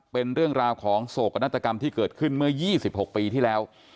เป็นเรื่องราวของโศกนาฏกรรมที่เกิดขึ้นเมื่อ๒๖ปีที่แล้ว